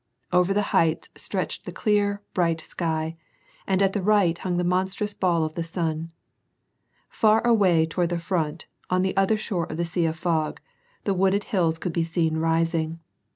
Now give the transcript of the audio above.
Over the heights stretched the clear, bright sky, and at the right hung the monstrous ball of the sun. Far away, toward the front, on the other shore of the sea of fog, tbe wooded hills could be seen rising.